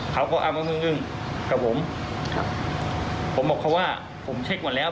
เขาก็อ้างว่าอึ้งอึ้งกับผมครับผมผมบอกเขาว่าผมเช็คหมดแล้ว